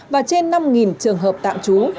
và trên năm trường hợp tạm trú